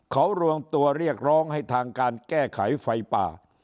เขารวมตัวเรียกร้องให้ทางการแก้ไขไฟป่า